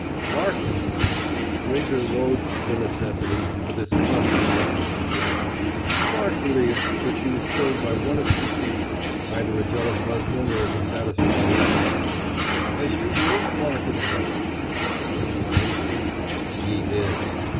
"Clarke believes," Winter loathed the necessity for this constant reference to Clarke "Clarke believes that she was killed by one of two people, either a jealous husband or a dissatisfied lover." "As usual, Clarke is wrong." "He may be." "He is."